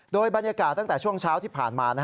โดยบรรยากาศตั้งแต่ช่วงเช้าที่ผ่านมา